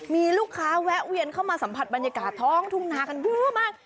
มีลูกค้าแวะเวียนเข้ามาสัมผัสบรรยากาศท้องทุ่งนากันเยอะมาก